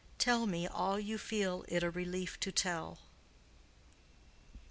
Tell me all you feel it a relief to tell."